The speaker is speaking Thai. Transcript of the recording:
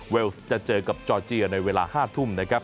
จะเจอกับจอร์เจียในเวลา๕ทุ่มนะครับ